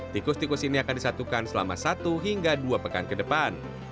tikus tikus ini akan disatukan selama satu hingga dua pekan ke depan